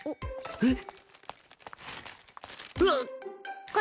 えっ。